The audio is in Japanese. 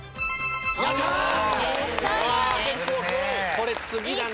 これ次だね。